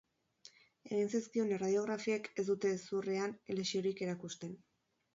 Egin zaizkion erradiografiek ez dute hezurrean lesiorik erakusten.